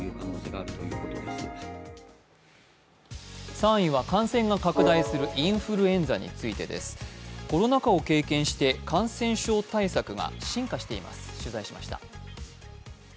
３位は感染が拡大するインフルエンザについてです。コロナ禍を経験して感染症対策が進化しています、取材しました。